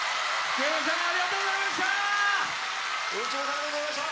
内村さんありがとうございました。